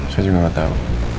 saya juga gak tau